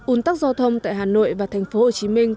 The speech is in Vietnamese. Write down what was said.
ủn tắc giao thông tại hà nội và thành phố hồ chí minh